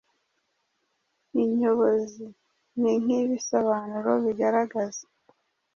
Inyobozi: Ni nk’ibisobanuro bigaragaza